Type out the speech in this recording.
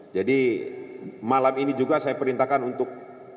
jadi malam ini juga saya perintahkan untuk